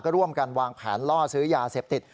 ร่วมกันวางแผนล่อซื้อยาเสพติด